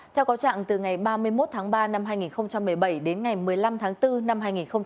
theo có trạng từ ngày ba mươi một tháng ba năm hai nghìn một mươi bảy đến ngày một mươi năm tháng bốn năm hai nghìn một mươi chín